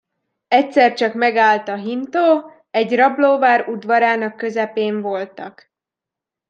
Egyszer csak megállt a hintó; egy rablóvár udvarának közepén voltak.